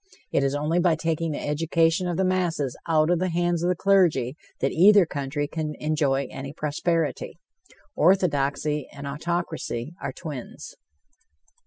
It is only by taking the education of the masses out of the hands of the clergy that either country can enjoy any prosperity. Orthodoxy and autocracy are twins.